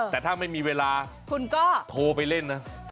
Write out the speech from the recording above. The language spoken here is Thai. แต่ถ้าไม่มีเวลาคุณก็โทรไปเล่นนะ